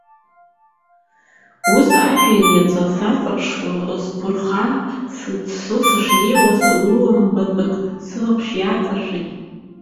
Ус, ажәҩан иаҵәа саҵаԥшуа, зқәырха сыӡсо сышнеиуаз, лаламбатәык сылаԥш иааҵашәеит.